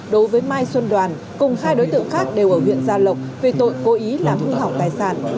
đối với mai xuân đoàn cùng hai đối tượng khác đều ở huyện gia lộc về tội cố ý làm hư hỏng tài sản